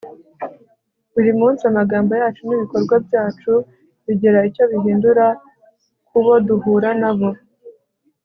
buri munsi amagambo yacu n'ibikorwa byacu bigira icyo bihindura kubo duhura na bo